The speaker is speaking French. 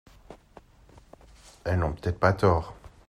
Elles n'ont peut-être pas tort.